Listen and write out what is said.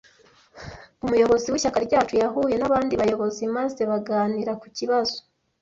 Umuyobozi w’ishyaka ryacu yahuye nabandi bayobozi maze baganira ku kibazo.